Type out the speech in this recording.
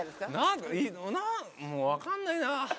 何、もう分かんないな。